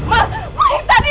mas masa di putri